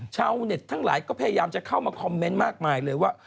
ชาวเน็ตทั้งหลายก็พยายามจะเข้ามาคอมเมนต์มากมายเลยว่า